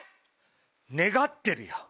願ってるよ。